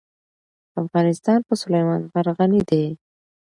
افغانستان په سلیمان غر غني دی.